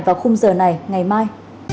vào khung giờ này ngày mai